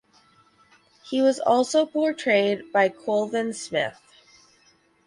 He was also portrayed by Colvin Smith.